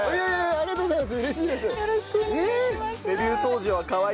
ありがとうございます。